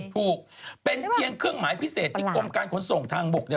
ถูกเป็นเพียงเครื่องหมายพิเศษที่กรมการขนส่งทางบก